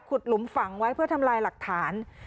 หลุมฝังไว้เพื่อทำลายหลักฐาน